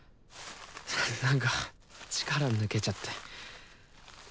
なんか力抜けちゃって。